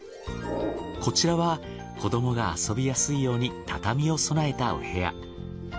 こちらは子どもが遊びやすいように畳を備えたお部屋。